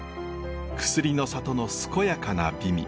薬の里の健やかな美味。